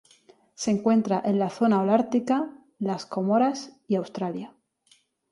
Se encuentra en la zona holártica, las Comoras y Australia.